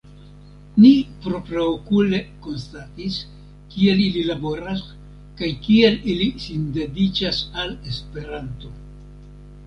Ni propraokule konstatis kiel ili laboras kaj kiel ili sindediĉas al Esperanto.